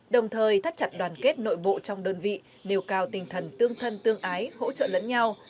đồng thời thắt chặt đoàn kết nội bộ trong đơn vị nêu cao tinh thần tương thân tương ái hỗ trợ lẫn nhau